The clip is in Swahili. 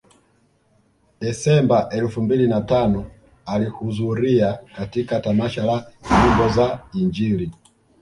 Desemba elfu mbili na tano alihudhuria katika tamasha la nyimbo za Injili